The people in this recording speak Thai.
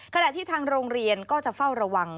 ขณะที่ทางโรงเรียนก็จะเฝ้าระวัง